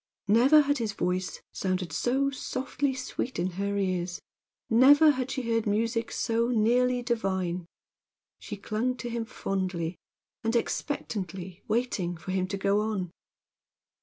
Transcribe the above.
Never had his voice sounded so softly sweet in her ears, never had she heard music so nearly divine. She clung to him fondly, and expectantly, waiting for him to go on.